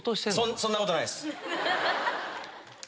そそんなことないです。